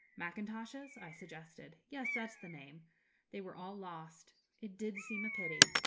'Mackintoshes,' I suggested. 'Yes, that's the name they were all lost. It did seem a pity.